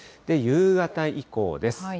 夕方以降です。